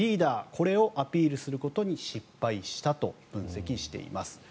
これをアピールすることに失敗したと分析しています。